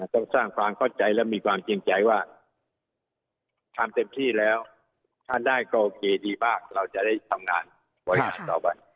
ต้องสร้างความเข้าใจและมีความจริงใจว่าทำเต็มที่แล้วถ้าได้ก็โอเคดีมากเราจะได้ทำงานบริหารต่อไป